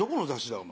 お前。